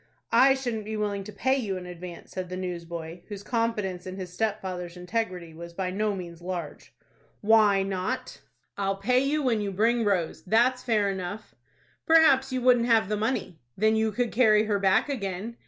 "I shouldn't be willing to pay you in advance," said the newsboy, whose confidence in his stepfather's integrity was by no means large. "Why not?" "I'll pay you when you bring Rose. That's fair enough." "Perhaps you wouldn't have the money." "Then you could carry her back again."